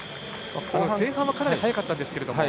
前半はかなり速かったんですが。